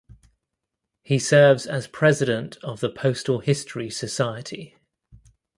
He serves as President of the Postal History Society.